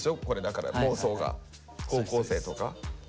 これだから妄想が高校生とか。